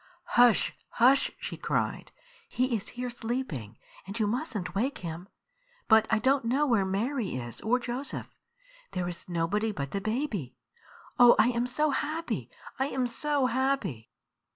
"Hush! hush!" she cried; "he is here sleeping, and you mustn't wake him. But I don't know where Mary is or Joseph. There is nobody but the baby. Oh, I am so happy! I am so happy!"